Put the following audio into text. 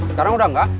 sekarang udah enggak